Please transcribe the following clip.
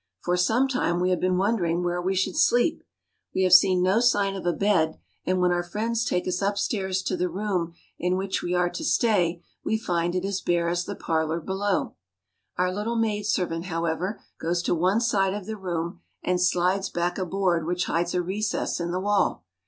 For some time we have been wondering where we should sleep. We have seen no sign of a bed, and when our friends take us " We have been wondering where we should sleep." upstairs to the room in which we are to stay, we find it as bare as the parlor below. Our little maidservant, however, goes to one side of the room, and slides back a board which hides a recess in the wall.